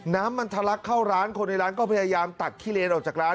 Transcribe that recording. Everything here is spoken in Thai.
น้ำมันทะลักเข้าร้านคนในร้านก็พยายามตัดขี้เลนออกจากร้าน